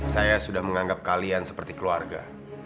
saya sudah menganggap kalian seperti keluarga